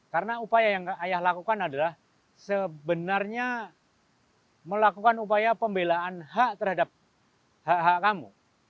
karena upaya yang ayah lakukan adalah sebenarnya melakukan upaya pembelaan hak terhadap hak hak kamu